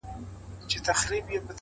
ښاماري زلفو يې په زړونو باندې زهر سيندل-